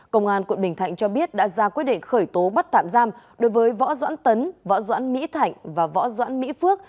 công an quận bình thạnh cho biết đã ra quyết định khởi tố bắt tạm giam đối với võ doãn tấn võ doãn mỹ thạnh và võ doãn mỹ phước